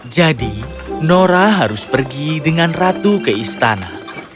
jadi nora harus pergi dengan ratu ke istana